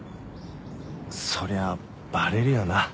そりゃあバレるよな。